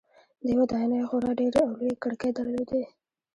دې ودانیو خورا ډیرې او لویې کړکۍ درلودې.